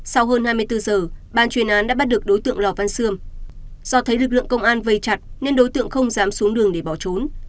sau hơn hai mươi bốn giờ ban chuyên án đã bắt được đối tượng lò văn sươm do thấy lực lượng công an vây chặt nên đối tượng không dám xuống đường để bỏ trốn